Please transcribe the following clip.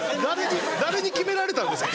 誰に決められたんですか？